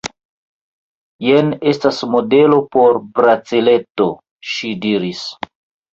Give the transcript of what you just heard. Jen estas modelo por braceleto, ŝi diris.